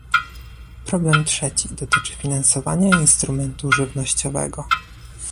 Problem trzeci dotyczy finansowania instrumentu żywnościowego